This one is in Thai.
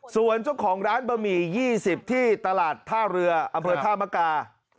ส่วนเจ้าของร้านบะหมี่๒๐ที่ตลาดท่าเรืออำเภอท่ามกา